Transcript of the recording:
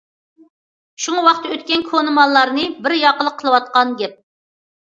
شۇڭا، ۋاقتى ئۆتكەن كونا ماللارنى بىر ياقلىق قىلىۋاتقان گەپ.